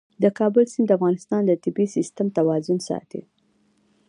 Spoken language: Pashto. د کابل سیند د افغانستان د طبعي سیسټم توازن ساتي.